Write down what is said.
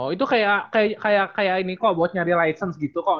itu kayak ini kok buat nyari license gitu kok